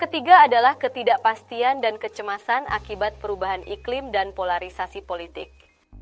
ketiga adalah ketidakpastian dan kecemasan akibat perubahan iklim dan polarisasi politik